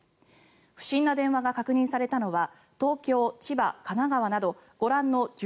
不審な電話が確認されたのは東京、千葉、神奈川などご覧の１０